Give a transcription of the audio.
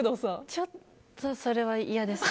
ちょっとそれは嫌です。